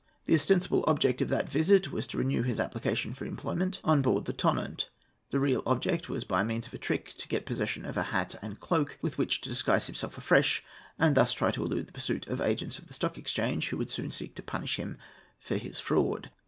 The ostensible object of that visit was to renew his application for employment on board the Tonnant. The real object was, by means of a trick, to get possession of a hat and cloak, with which to disguise himself afresh, and thus try to elude the pursuit of agents of the Stock Exchange, who would soon seek to punish him for his fraud.